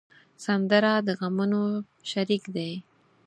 سندره د غمونو شریک دی